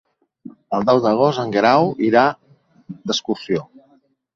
El deu d'agost en Guerau irà d'excursió.